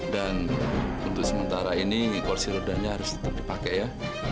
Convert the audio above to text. dan untuk sementara ini korsirudannya harus tetap dipakai ya